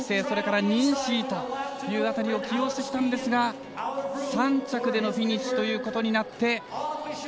それから、任子威という辺りを起用してきたんですが３着でのフィニッシュとなって。